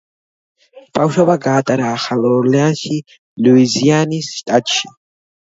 ბავშვობა გაატარა ახალ ორლეანში, ლუიზიანის შტატში.